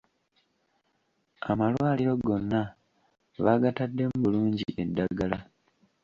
Amalwaliro gonna baagataddemu bulungi eddagala.